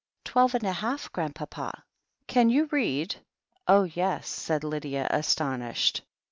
"Twelve and a half. Grandpapa," "Can you read ?" "Oh, yes," said Lydia, astonished.